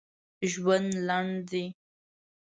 ژوند لنډ دي!